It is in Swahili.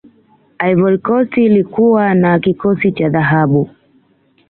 ivory coast ilikuwana kikosi cha dhahabu